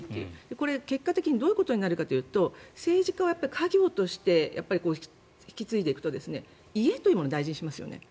これは結果的にどういうことになるかというと政治家を家業として引き継いでいくと家を大事にしますよね。